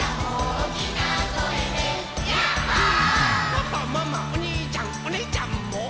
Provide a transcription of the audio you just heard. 「パパママおにいちゃんおねぇちゃんも」